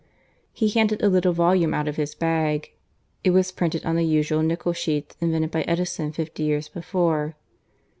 He handed a little volume out of his bag. (It was printed on the usual nickel sheets, invented by Edison fifty years before.)